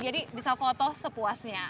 jadi bisa foto sepuasnya